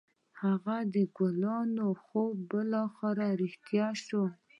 د هغه د کلونو خوب بالاخره رښتيا شوی و.